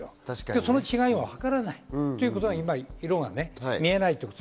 その違いがわからないということで色が見えないことは